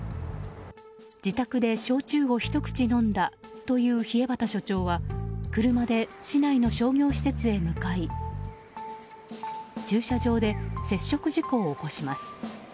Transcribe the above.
自宅で焼酎をひと口飲んだという稗畑署長は車で市内の商業施設へ向かい駐車場で接触事故を起こします。